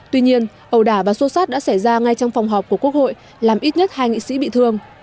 tuy nhiên ẩu đả và xô xát đã xảy ra ngay trong phòng họp của quốc hội làm ít nhất hai nghị sĩ bị thương